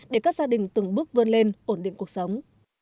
để các gia đình từng bước vươn lên ổn định cuộc sống